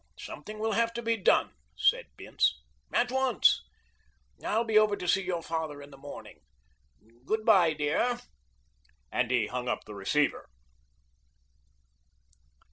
"Something will have to be done," said Bince, "at once. I'll be over to see your father in the morning. Good by, dear," and he hung up the receiver.